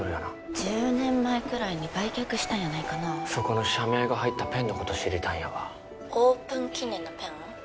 １０年前くらいに売却したんやないかなそこの社名が入ったペンのこと知りたいんやわ☎オープン記念のペン？